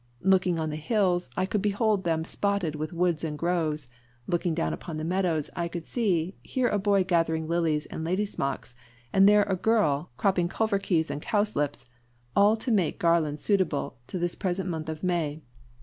Looking on the hills, I could behold them spotted with woods and groves; looking down upon the meadows I could see, here a boy gathering lilies and lady smocks, and there a girl cropping culverkeys and cowslips, all to make garlands suitable to this present month of May.